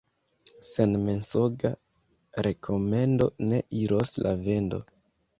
Sen mensoga rekomendo ne iros la vendo.